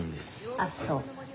あっそう。